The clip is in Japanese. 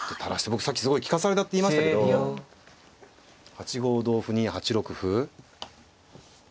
僕さっきすごい利かされだって言いましたけど８五同歩に８六歩。